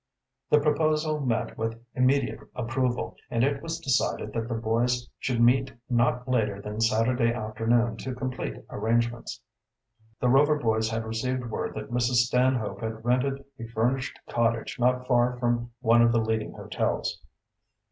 The proposal met with immediate approval, and it was decided that the boys should meet not later than Saturday afternoon to complete arrangements. The Rover boys had received word that Mrs. Stanhope had rented a furnished cottage not far from one of the leading hotels.